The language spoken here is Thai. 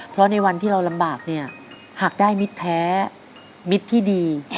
เพราะในวันที่เราลำบากเนี่ยหากได้มิตรแท้มิตรที่ดี